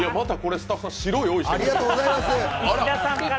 スタッフさん、また白用意して。